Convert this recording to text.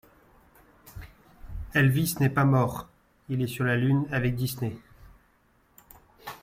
Elvis n'est pas mort, il est sur la lune avec Disney.